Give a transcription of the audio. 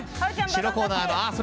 白コーナーです。